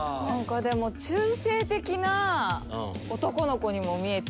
中性的な男の子にも見えて。